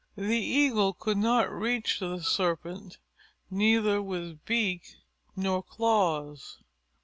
The Eagle could not reach the Serpent, neither with beak nor claws.